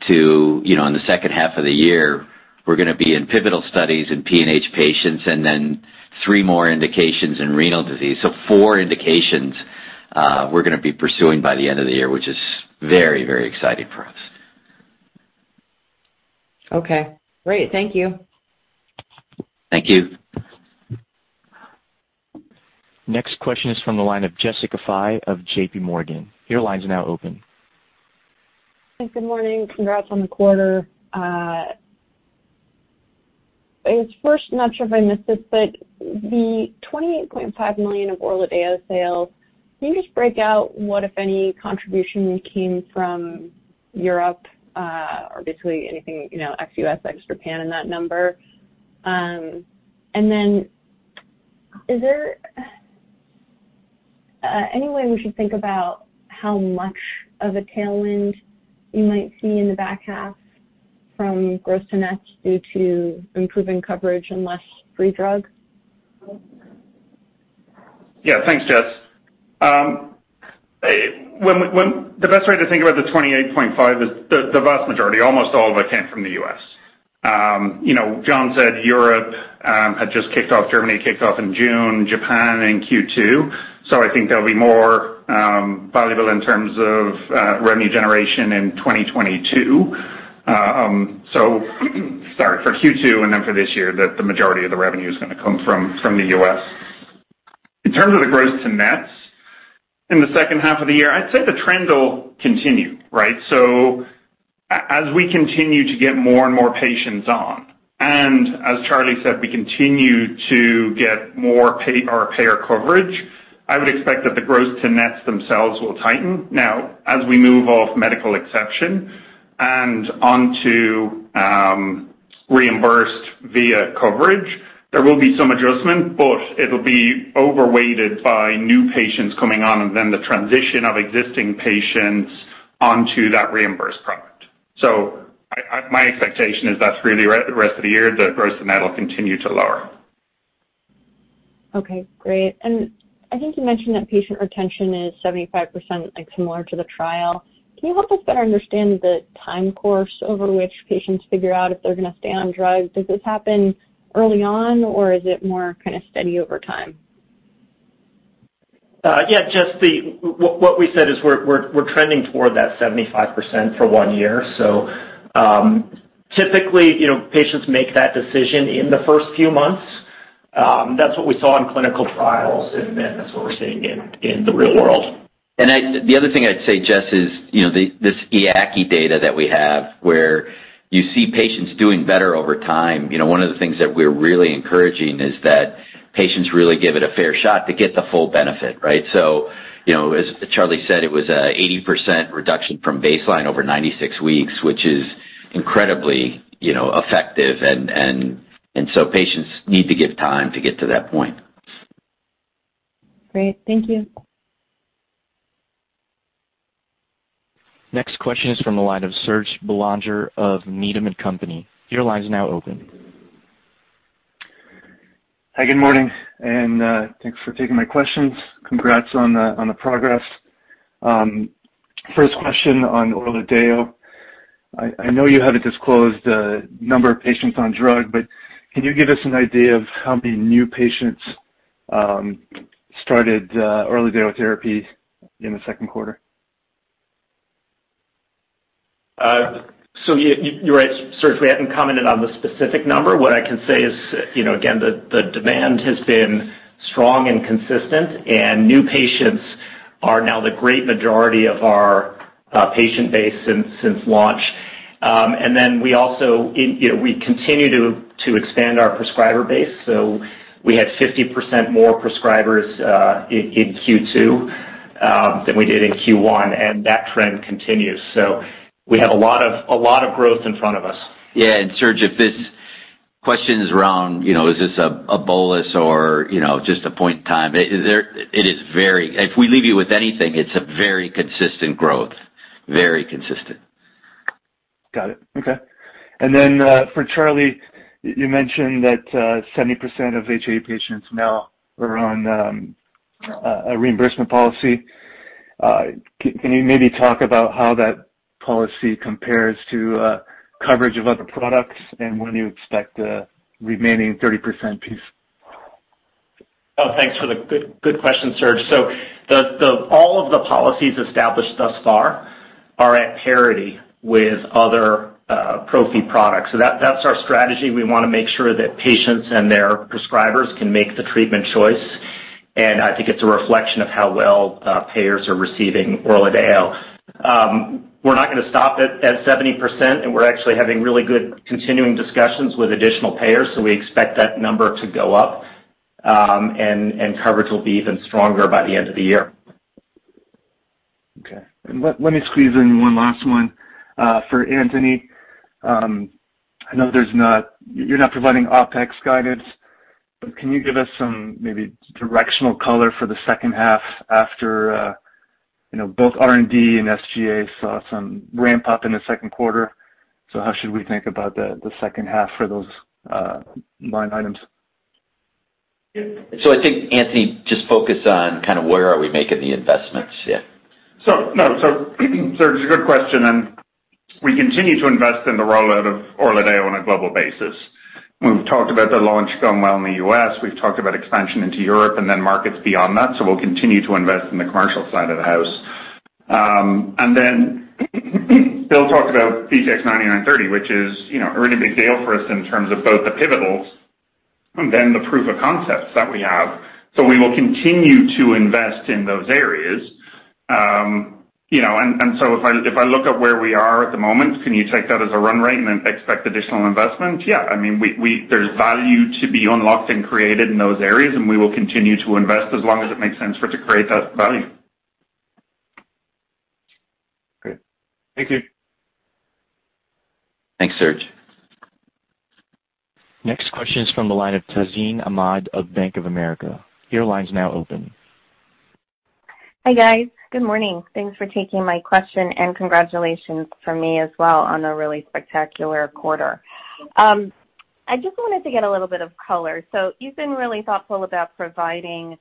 [SPEAKER 3] to, in the second half of the year, we're going to be in pivotal studies in PNH patients and then three more indications in renal disease. Four indications we're going to be pursuing by the end of the year, which is very exciting for us.
[SPEAKER 9] Okay, great. Thank you.
[SPEAKER 3] Thank you.
[SPEAKER 1] Next question is from the line of Jessica Fye of JPMorgan. Your line's now open.
[SPEAKER 10] Thanks, good morning. Not sure if I missed it, but the $28.5 million of ORLADEYO sales, can you just break out what, if any, contribution came from Europe, or basically anything ex-US, ex-Japan in that number? Is there any way we should think about how much of a tailwind you might see in the back half from gross-to-nets due to improving coverage and less free drug?
[SPEAKER 5] Yeah. Thanks, Jess. The best way to think about the $28.5 million is the vast majority, almost all of it came from the U.S. John said Europe had just kicked off, Germany kicked off in June, Japan in Q2, so I think they'll be more valuable in terms of revenue generation in 2022. Sorry, for Q2 and then for this year, the majority of the revenue is going to come from the U.S. In terms of the gross to net in the second half of the year, I'd say the trend will continue, right? As we continue to get more and more patients on, and as Charlie said, we continue to get more payer coverage, I would expect that the gross to net themselves will tighten. As we move off medical exception and onto reimbursed via coverage, there will be some adjustment, but it will be overweighted by new patients coming on and then the transition of existing patients onto that reimbursed product. My expectation is that through the rest of the year, the gross-to-net will continue to lower.
[SPEAKER 10] Okay, great. I think you mentioned that patient retention is 75%, like similar to the trial. Can you help us better understand the time course over which patients figure out if they're going to stay on drug? Does this happen early on, or is it more kind of steady over time?
[SPEAKER 4] Yeah, Jess, what we said is we're trending toward that 75% for one year. Typically, patients make that decision in the first few months. That's what we saw in clinical trials, and then that's what we're seeing in the real world.
[SPEAKER 3] The other thing I'd say, Jess, is this EAACI data that we have where you see patients doing better over time. One of the things that we're really encouraging is that patients really give it a fair shot to get the full benefit, right? As Charlie said, it was a 80% reduction from baseline over 96 weeks, which is incredibly effective. Patients need to give time to get to that point.
[SPEAKER 10] Great. Thank you.
[SPEAKER 1] Next question is from the line of Serge Belanger of Needham & Company. Your line is now open.
[SPEAKER 11] Hi, good morning. Thanks for taking my questions. Congrats on the progress. First question on ORLADEYO. I know you haven't disclosed the number of patients on drug, but can you give us an idea of how many new patients started ORLADEYO therapy in the second quarter?
[SPEAKER 4] You're right, Serge, we haven't commented on the specific number. What I can say is, again, the demand has been strong and consistent, and new patients are now the great majority of our patient base since launch. We also continue to expand our prescriber base. We had 50% more prescribers in Q2 than we did in Q1, and that trend continues. We have a lot of growth in front of us.
[SPEAKER 3] Yeah. Serge, if this question is around, is this a bolus or just a point in time? If we leave you with anything, it's a very consistent growth. Very consistent.
[SPEAKER 11] Got it. Okay. For Charlie, you mentioned that 70% of HAE patients now are on a reimbursement policy. Can you maybe talk about how that policy compares to coverage of other products and when you expect the remaining 30% piece?
[SPEAKER 4] Oh, thanks for the good question, Serge. All of the policies established thus far are at parity with other prophy products. That's our strategy. We want to make sure that patients and their prescribers can make the treatment choice. I think it's a reflection of how well payers are receiving ORLADEYO. We're not going to stop at 70%, and we're actually having really good continuing discussions with additional payers. We expect that number to go up, and coverage will be even stronger by the end of the year.
[SPEAKER 11] Okay. Let me squeeze in one last one for Anthony. I know you're not providing OpEx guidance, but can you give us some maybe directional color for the second half after both R&D and SGA saw some ramp-up in the second quarter? How should we think about the second half for those line items?
[SPEAKER 3] I think, Anthony, just focus on kind of where are we making the investments. Yeah.
[SPEAKER 5] Serge, a good question, and we continue to invest in the rollout of ORLADEYO on a global basis. We've talked about the launch going well in the U.S. We've talked about expansion into Europe and then markets beyond that. We'll continue to invest in the commercial side of the house. Bill talked about BCX9930, which is a really big deal for us in terms of both the pivotals and then the proof of concepts that we have. We will continue to invest in those areas. If I look at where we are at the moment, can you take that as a run rate and then expect additional investment? Yeah. There's value to be unlocked and created in those areas, and we will continue to invest as long as it makes sense for it to create that value.
[SPEAKER 11] Great. Thank you.
[SPEAKER 3] Thanks, Serge.
[SPEAKER 1] Next question is from the line of Tazeen Ahmad of Bank of America. Your line is now open.
[SPEAKER 12] Hi, guys. Good morning. Thanks for taking my question, and congratulations from me as well on a really spectacular quarter. I just wanted to get a little bit of color. You've been really thoughtful about providing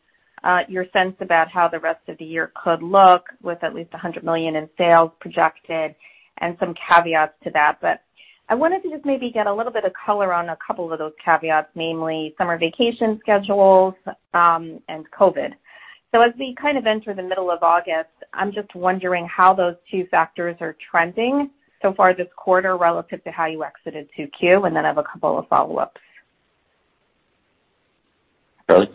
[SPEAKER 12] your sense about how the rest of the year could look with at least $100 million in sales projected and some caveats to that. I wanted to just maybe get a little bit of color on a couple of those caveats, mainly summer vacation schedules and COVID-19. As we kind of enter the middle of August, I'm just wondering how those two factors are trending so far this quarter relative to how you exited 2Q, and then I have a couple of follow-ups.
[SPEAKER 3] Charlie?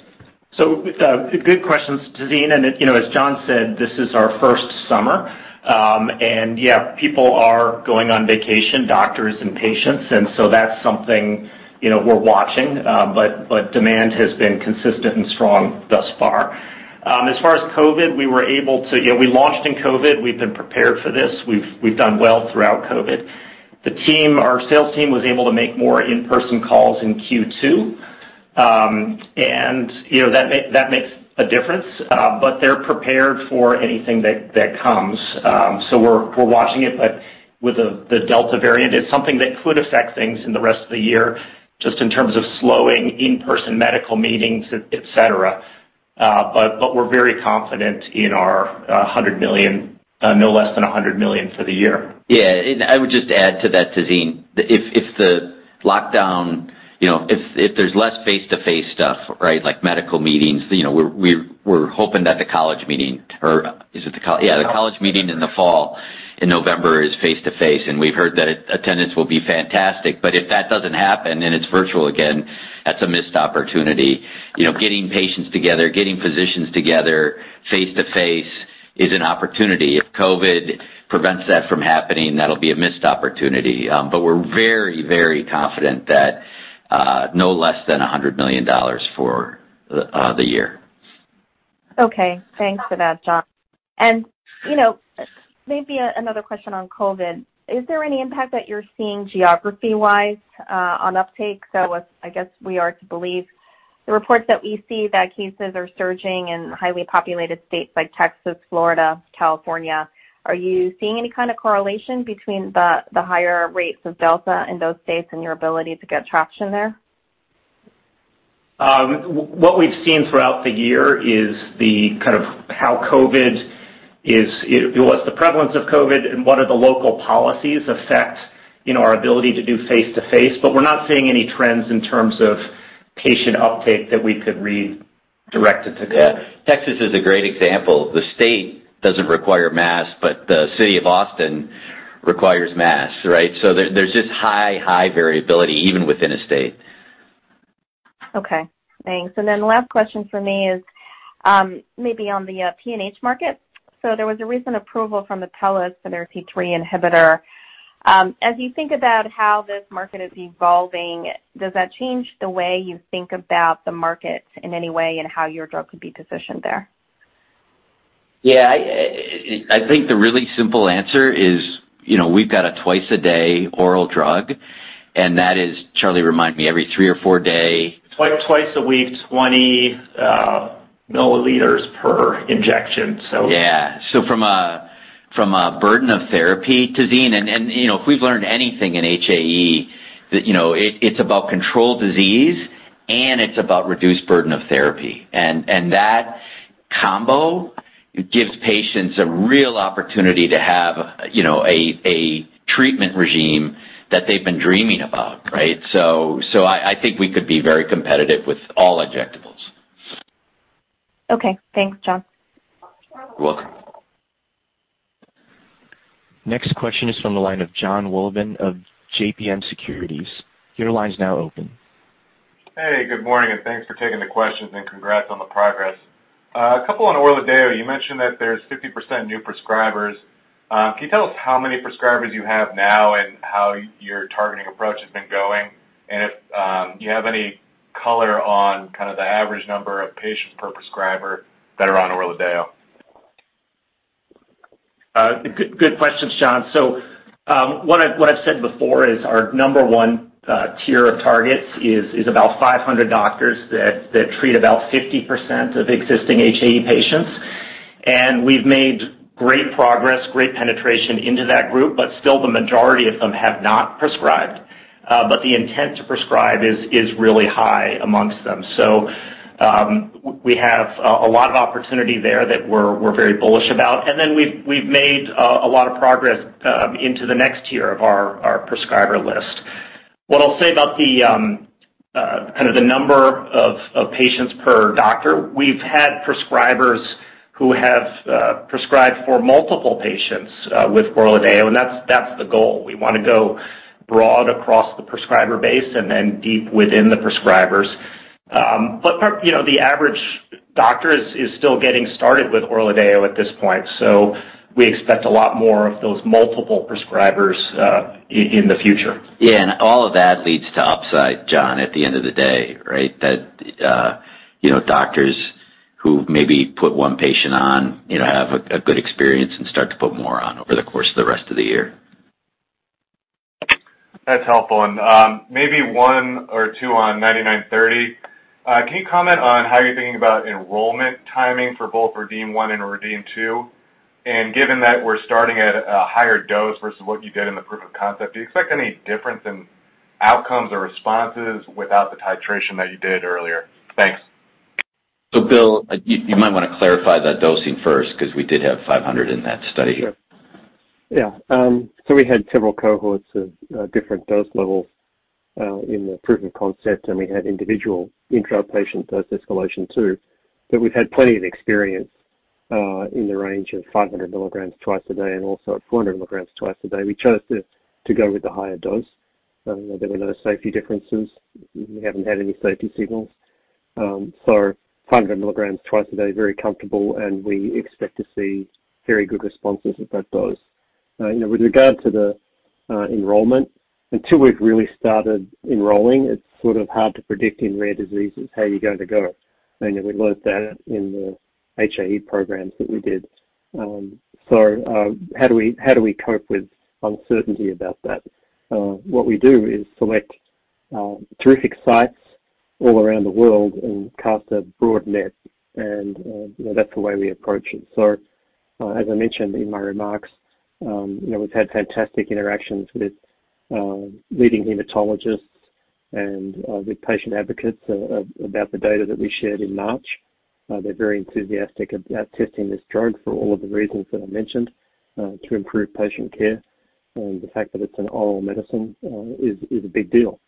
[SPEAKER 4] Good questions, Tazeen. As Jon said, this is our first summer. People are going on vacation, doctors and patients, that's something we're watching. Demand has been consistent and strong thus far. As far as COVID, we launched in COVID. We've been prepared for this. We've done well throughout COVID. Our sales team was able to make more in-person calls in Q2. That makes a difference, but they're prepared for anything that comes. We're watching it, but with the Delta variant, it's something that could affect things in the rest of the year, just in terms of slowing in-person medical meetings, et cetera. We're very confident in our no less than $100 million for the year.
[SPEAKER 3] Yeah. I would just add to that, Tazeen, if there's less face-to-face stuff, like medical meetings, we're hoping that the College meeting in the fall, in November, is face to face, and we've heard that attendance will be fantastic. If that doesn't happen, and it's virtual again, that's a missed opportunity. Getting patients together, getting physicians together face to face is an opportunity. If COVID prevents that from happening, that'll be a missed opportunity. We're very, very confident that no less than $100 million for the year.
[SPEAKER 12] Okay. Thanks for that, Jon. Maybe another question on COVID. Is there any impact that you're seeing geography-wise on uptake? I guess we are to believe the reports that we see that cases are surging in highly populated states like Texas, Florida, California. Are you seeing any kind of correlation between the higher rates of Delta in those states and your ability to get traction there?
[SPEAKER 4] What we've seen throughout the year is the kind of what's the prevalence of COVID and what are the local policies affect our ability to do face-to-face. We're not seeing any trends in terms of patient uptake that we could read directed to that.
[SPEAKER 3] Yeah. Texas is a great example. The state doesn't require masks, but the city of Austin requires masks, right? There's just high variability even within a state.
[SPEAKER 12] Okay, thanks. Last question from me is maybe on the PNH market. There was a recent approval from Apellis for their C3 inhibitor. As you think about how this market is evolving, does that change the way you think about the market in any way and how your drug could be positioned there?
[SPEAKER 3] Yeah. I think the really simple answer is, we've got a twice-a-day oral drug, and that is, Charlie remind me, every three or four day.
[SPEAKER 4] Twice a week, 20 ml per injection.
[SPEAKER 3] Yeah. From a burden of therapy, Tazeen, and if we've learned anything in HAE, it's about controlled disease and it's about reduced burden of therapy. That combo gives patients a real opportunity to have a treatment regime that they've been dreaming about, right? I think we could be very competitive with all injectables.
[SPEAKER 12] Okay. Thanks, Jon.
[SPEAKER 3] You're welcome.
[SPEAKER 1] Next question is from the line of Jon Wolleben of JMP Securities. Your line's now open.
[SPEAKER 13] Hey, good morning, and thanks for taking the questions, and congrats on the progress. A couple on ORLADEYO. You mentioned that there's 50% new prescribers. Can you tell us how many prescribers you have now and how your targeting approach has been going? If you have any color on kind of the average number of patients per prescriber that are on ORLADEYO.
[SPEAKER 4] Good questions, Jon. What I've said before is our number one tier of targets is about 500 doctors that treat about 50% of existing HAE patients. We've made great progress, great penetration into that group, but still the majority of them have not prescribed. The intent to prescribe is really high amongst them. We have a lot of opportunity there that we're very bullish about. We've made a lot of progress into the next tier of our prescriber list. What I'll say about the number of patients per doctor, we've had prescribers who have prescribed for multiple patients with ORLADEYO, and that's the goal. We want to go broad across the prescriber base and then deep within the prescribers. The average doctor is still getting started with ORLADEYO at this point, so we expect a lot more of those multiple prescribers in the future.
[SPEAKER 3] Yeah, all of that leads to upside, Jon, at the end of the day, right? That doctors who maybe put one patient on have a good experience and start to put more on over the course of the rest of the year.
[SPEAKER 13] That's helpful. Maybe one or two on BCX9930. Can you comment on how you're thinking about enrollment timing for both REDEEM-1 and REDEEM-2? Given that we're starting at a higher dose versus what you did in the proof-of-concept, do you expect any difference in outcomes or responses without the titration that you did earlier? Thanks.
[SPEAKER 3] Bill, you might want to clarify that dosing first because we did have 500 in that study.
[SPEAKER 6] Sure. Yeah. We had several cohorts of different dose levels in the proof-of-concept, and we had individual intra-patient dose escalation, too. We've had plenty of experience in the range of 500 mg twice a day and also at 400 mg twice a day. We chose to go with the higher dose. There were no safety differences. We haven't had any safety signals. 500 mg twice a day, very comfortable, and we expect to see very good responses at that dose. With regard to the enrollment, until we've really started enrolling, it's sort of hard to predict in rare diseases how you're going to go. We learned that in the HAE programs that we did. How do we cope with uncertainty about that? What we do is select terrific sites all around the world and cast a broad net, and that's the way we approach it. As I mentioned in my remarks, we've had fantastic interactions with leading hematologists. With patient advocates about the data that we shared in March, they're very enthusiastic about testing this drug for all of the reasons that I mentioned, to improve patient care. The fact that it's an oral medicine is a big deal.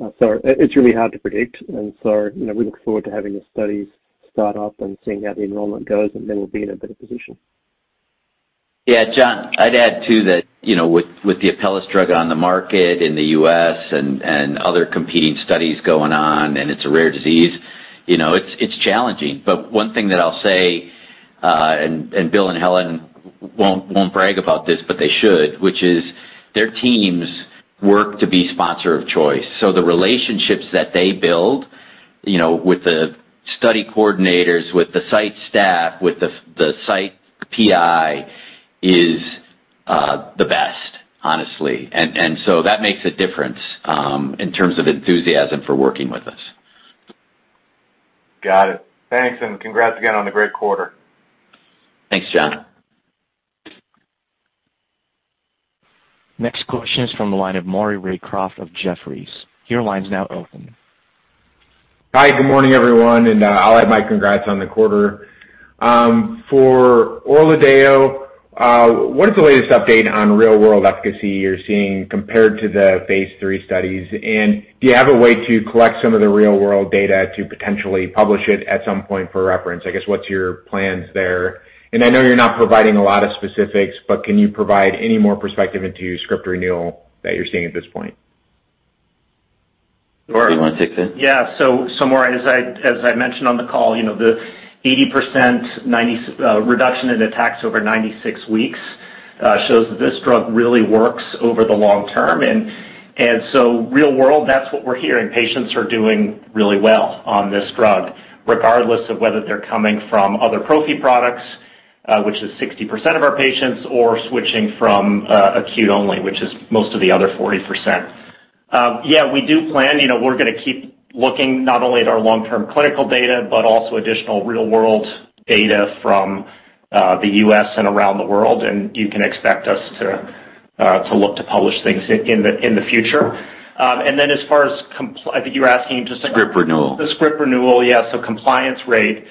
[SPEAKER 6] It's really hard to predict. We look forward to having the studies start up and seeing how the enrollment goes, and then we'll be in a better position.
[SPEAKER 3] Yeah, Jon, I'd add too that, with the Apellis drug on the market in the U.S. and other competing studies going on, and it's a rare disease, it's challenging. One thing that I'll say, and Bill and Helen won't brag about this, but they should, which is their teams work to be sponsor of choice. The relationships that they build with the study coordinators, with the site staff, with the site PI is the best, honestly. That makes a difference in terms of enthusiasm for working with us.
[SPEAKER 13] Got it. Thanks, and congrats again on the great quarter.
[SPEAKER 3] Thanks, Jon.
[SPEAKER 1] Next question is from the line of Maury Raycroft of Jefferies. Your line's now open.
[SPEAKER 14] Hi, good morning, everyone. I'll add my congrats on the quarter. For ORLADEYO, what is the latest update on real-world efficacy you're seeing compared to the phase III studies? Do you have a way to collect some of the real-world data to potentially publish it at some point for reference? I guess what's your plans there? I know you're not providing a lot of specifics, but can you provide any more perspective into script renewal that you're seeing at this point?
[SPEAKER 3] Charlie, you want to take this?
[SPEAKER 4] Yeah. Maury, as I mentioned on the call, the 80% reduction in attacks over 96 weeks shows that this drug really works over the long term. Real world, that's what we're hearing. Patients are doing really well on this drug, regardless of whether they're coming from other prophy products, which is 60% of our patients, or switching from acute-only, which is most of the other 40%. Yeah, we do plan, we're going to keep looking not only at our long-term clinical data, but also additional real-world data from the U.S. and around the world, and you can expect us to look to publish things in the future. Then as far as compliance I think you were asking just about-
[SPEAKER 3] Script renewal.
[SPEAKER 4] The script renewal. Yeah, Compliance rate.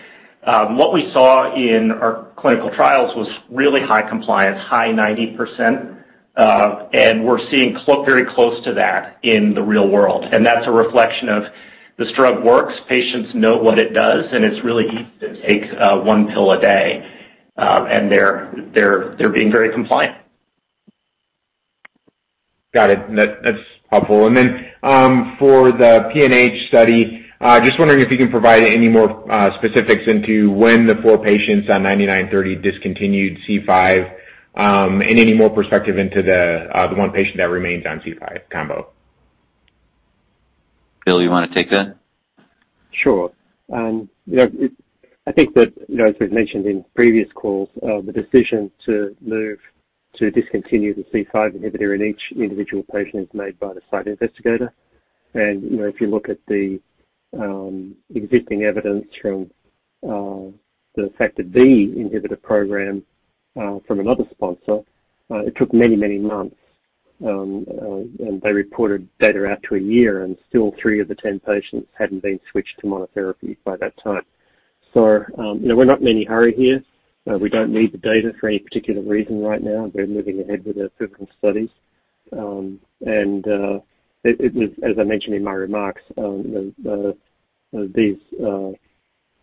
[SPEAKER 4] What we saw in our clinical trials was really high compliance, high 90%, and we're seeing very close to that in the real world. That's a reflection of this drug works. Patients know what it does, and it's really easy to take one pill a day. They're being very compliant.
[SPEAKER 14] Got it. That's helpful. For the PNH study, just wondering if you can provide any more specifics into when the four patients on BCX9930 discontinued C5, and any more perspective into the one patient that remains on C5 combo.
[SPEAKER 3] Bill, you want to take that?
[SPEAKER 6] I think that, as we've mentioned in previous calls, the decision to move to discontinue the C5 inhibitor in each individual patient is made by the site investigator. If you look at the existing evidence from the Factor D inhibitor program from another sponsor, it took many, many months. They reported data out to one year, and still three of the 10 patients hadn't been switched to monotherapy by that time. We're not in any hurry here. We don't need the data for any particular reason right now. We're moving ahead with the equivalent studies. As I mentioned in my remarks,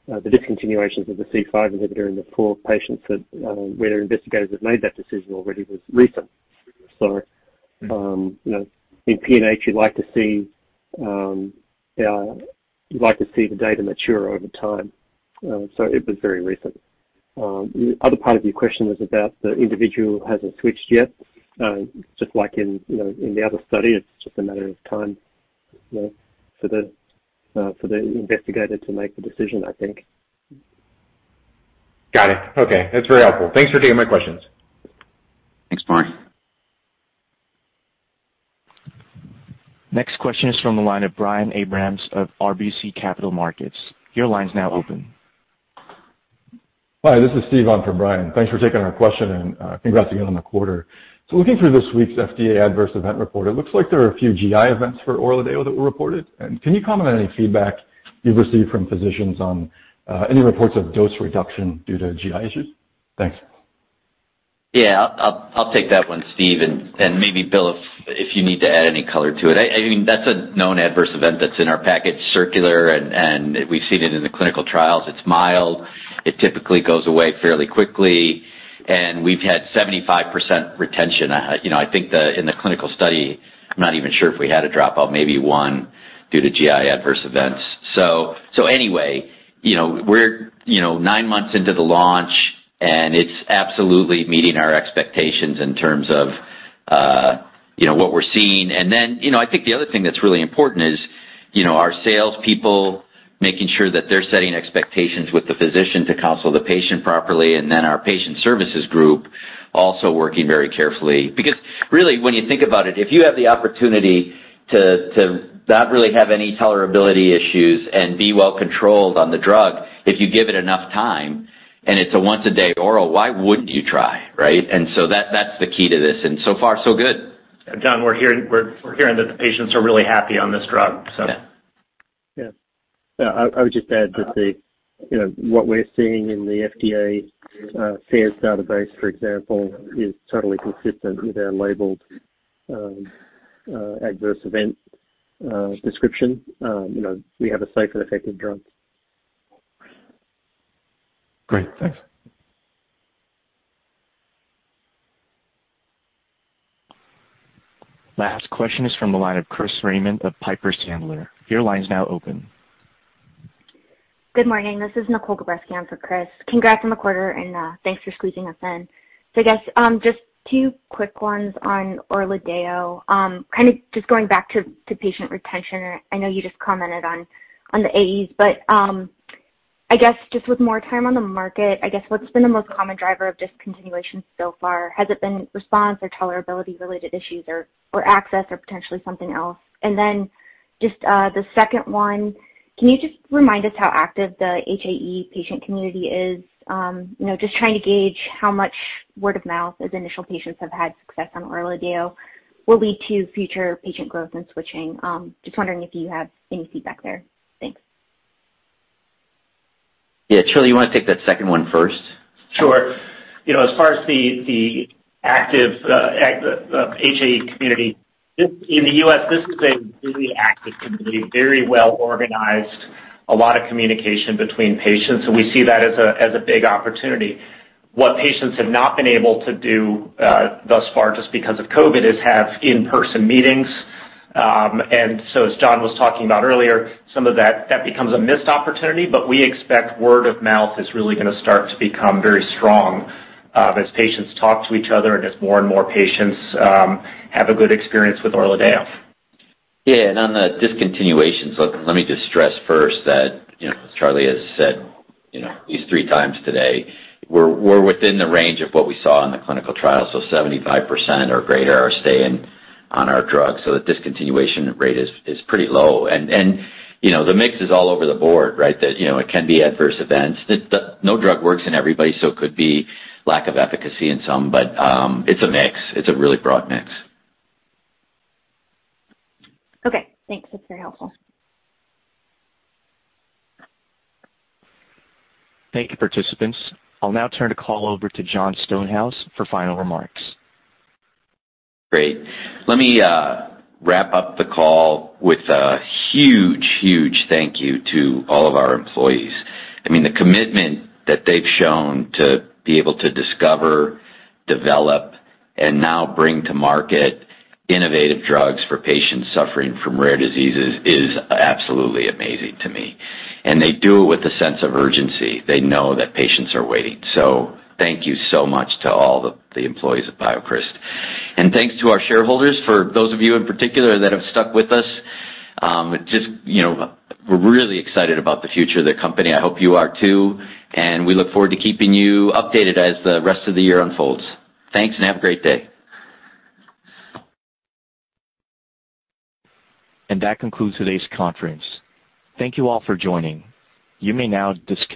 [SPEAKER 6] the discontinuations of the C5 inhibitor in the four patients that where investigators have made that decision already was recent. In PNH, you'd like to see the data mature over time. It was very recent. The other part of your question was about the individual who hasn't switched yet. Just like in the other study, it's just a matter of time for the investigator to make the decision, I think.
[SPEAKER 14] Got it. Okay. That's very helpful. Thanks for taking my questions.
[SPEAKER 3] Thanks, Maury.
[SPEAKER 1] Next question is from the line of Brian Abrahams of RBC Capital Markets. Your line is now open.
[SPEAKER 15] Hi, this is Steve on for Brian. Thanks for taking our question, and congrats again on the quarter. Looking through this week's FDA Adverse Event Report, it looks like there are a few GI events for ORLADEYO that were reported. Can you comment on any feedback you've received from physicians on any reports of dose reduction due to GI issues? Thanks.
[SPEAKER 3] Yeah, I'll take that one, Steve, and maybe Bill, if you need to add any color to it. I mean, that's a known adverse event that's in our package circular, and we've seen it in the clinical trials. It's mild. It typically goes away fairly quickly. We've had 75% retention. I think in the clinical study, I'm not even sure if we had a dropout, maybe one due to GI adverse events. Anyway, we're nine months into the launch, and it's absolutely meeting our expectations in terms of what we're seeing. I think the other thing that's really important is our sales people making sure that they're setting expectations with the physician to counsel the patient properly, and then our patient services group also working very carefully. Really, when you think about it, if you have the opportunity to not really have any tolerability issues and be well controlled on the drug, if you give it enough time. It's a once a day oral, why wouldn't you try, right? That's the key to this. So far so good.
[SPEAKER 4] Jon, we're hearing that the patients are really happy on this drug.
[SPEAKER 3] Yeah.
[SPEAKER 6] Yeah. I would just add that what we're seeing in the FDA FAERS database, for example, is totally consistent with our labeled adverse event description. We have a safe and effective drug.
[SPEAKER 15] Great. Thanks.
[SPEAKER 1] Last question is from the line of Chris Raymond of Piper Sandler. Your line is now open.
[SPEAKER 16] Good morning. This is Nicole Gabreski on for Chris. Congrats on the quarter, and thanks for squeezing us in. I guess just two quick ones on ORLADEYO, kind of just going back to patient retention. I know you just commented on the AEs, but I guess just with more time on the market, I guess what's been the most common driver of discontinuation so far? Has it been response or tolerability-related issues or access or potentially something else? Then just the second one, can you just remind us how active the HAE patient community is? Just trying to gauge how much word of mouth as initial patients have had success on ORLADEYO will lead to future patient growth and switching. Just wondering if you have any feedback there. Thanks.
[SPEAKER 3] Yeah. Charlie, you want to take that second one first?
[SPEAKER 4] Sure. As far as the active HAE community, in the U.S. this is a really active community, very well organized, a lot of communication between patients, and we see that as a big opportunity. What patients have not been able to do thus far, just because of COVID, is have in-person meetings. As Jon was talking about earlier, some of that becomes a missed opportunity, but we expect word of mouth is really going to start to become very strong as patients talk to each other and as more and more patients have a good experience with ORLADEYO.
[SPEAKER 3] Yeah, on the discontinuations, let me just stress first that, as Charlie has said at least three times today, we're within the range of what we saw in the clinical trial, so 75% or greater are staying on our drug. The discontinuation rate is pretty low. The mix is all over the board, right? That it can be adverse events. No drug works in everybody, so it could be lack of efficacy in some. It's a mix. It's a really broad mix.
[SPEAKER 16] Okay, thanks. That's very helpful.
[SPEAKER 1] Thank you, participants. I'll now turn the call over to Jon Stonehouse for final remarks.
[SPEAKER 3] Great. Let me wrap up the call with a huge thank you to all of our employees. The commitment that they've shown to be able to discover, develop, and now bring to market innovative drugs for patients suffering from rare diseases is absolutely amazing to me. They do it with a sense of urgency. They know that patients are waiting. Thank you so much to all the employees of BioCryst. Thanks to our shareholders, for those of you in particular that have stuck with us. We're really excited about the future of the company. I hope you are too, and we look forward to keeping you updated as the rest of the year unfolds. Thanks, and have a great day.
[SPEAKER 1] That concludes today's conference. Thank you all for joining. You may now disconnect.